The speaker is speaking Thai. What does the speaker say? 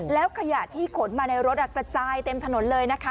แล้วขยะที่ขนมาในรถกระจายเต็มถนนเลยนะคะ